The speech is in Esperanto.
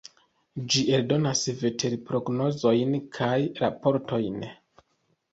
Ĝi eldonas veterprognozojn kaj raportojn.